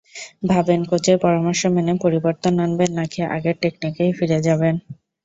ভাবেন, কোচের পরামর্শ মেনে পরিবর্তন আনবেন, নাকি আগের টেকনিকেই ফিরে যাবেন।